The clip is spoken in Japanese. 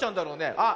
あっ